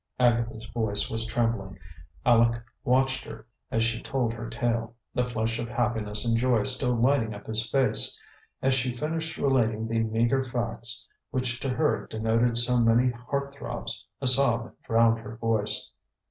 Agatha's voice was trembling. Aleck watched her as she told her tale, the flush of happiness and joy still lighting up his face. As she finished relating the meager facts which to her denoted so many heart throbs, a sob drowned her voice.